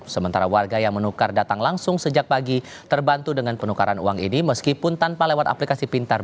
sementara warga yang menukar datang langsung sejak pagi terbantu dengan penukaran uang ini meskipun tanpa lewat aplikasi pintar